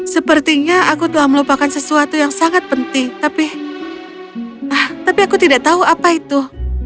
sepertinya aku telah melupakan sesuatu yang sangat penting tapi aku tidak tahu apa itu